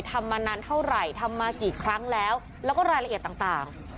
ทำมานานเท่าไหร่ทำมากี่ครั้งแล้วแล้วก็รายละเอียดต่าง